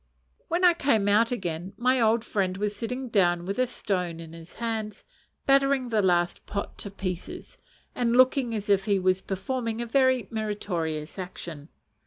When I came out again, my old friend was sitting down with a stone in his hand, battering the last pot to pieces, and looking as if he was performing a very meritorious action.